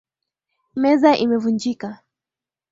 Meza imevunjika.